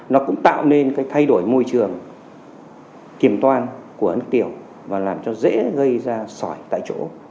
nó cũng tạo nên cái thay đổi môi trường kiềm toan của nước tiểu và làm cho dễ gây ra sỏi tại chỗ